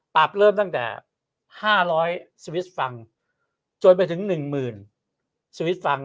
ปรับเริ่มตั้งแต่๕๐๐สวิทธิ์ฟังจนไปถึง๑๐๐๐๐สวิทธิ์ฟัง